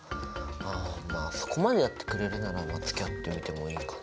あまあそこまでやってくれるならまあつきあってみてもいいかな。